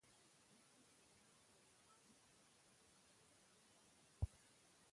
مسید، شیراني، هیریپال، مروت، منگل او نور قومونه هم اوسیږي.